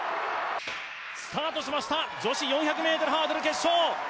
スタートしました女子４００ｍハードル決勝。